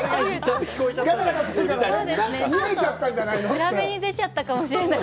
裏目に出ちゃったかもしれない。